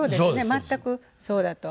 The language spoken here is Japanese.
全くそうだと。